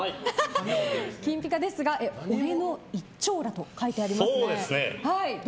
金ぴかですが俺の一張羅と書いてありますね。